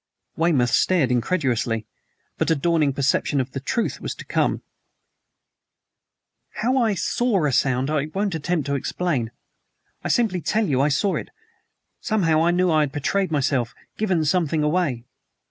Weymouth stared incredulously, but a dawning perception of the truth was come to me, too. "How I SAW a SOUND I just won't attempt to explain; I simply tell you I saw it. Somehow I knew I had betrayed myself given something away."